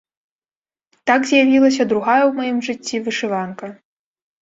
Так з'явілася другая ў маім жыцці вышыванка.